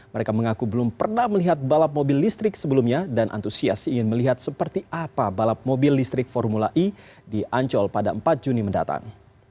mereka mengaku belum pernah melihat balap mobil listrik sebelumnya dan antusias ingin melihat seperti apa balap mobil listrik formula e di ancol pada empat juni mendatang